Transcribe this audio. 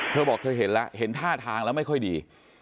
เธอบอกเธอเห็นแล้วเห็นท่าทางแล้วไม่ค่อยดี